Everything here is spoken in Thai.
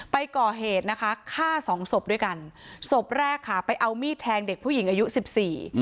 ไปก่อเหตุนะคะฆ่าสองศพด้วยกันศพแรกค่ะไปเอามีดแทงเด็กผู้หญิงอายุสิบสี่